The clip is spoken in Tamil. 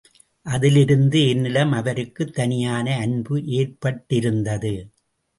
அதிலிருந்து என்னிடம் அவருக்குத் தனியான அன்பு ஏற்பட்டிருந்தது.